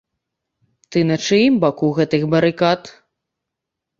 Ты на чыім баку гэтых барыкад?